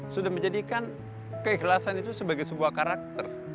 sudah menjadikan keikhlasan itu sebagai sebuah karakter